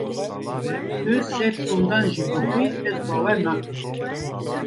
Tu sed sondan jî bixwî ez bawer nakim.